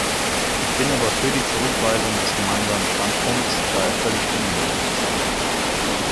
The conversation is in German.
Ich bin aber für die Zurückweisung des Gemeinsamen Standpunkts, da er völlig ungenügend ist.